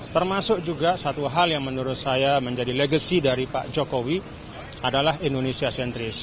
termasuk juga satu hal yang menurut saya menjadi legacy dari pak jokowi adalah indonesia sentris